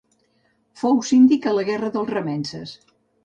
Fou síndic a la Guerra dels remences.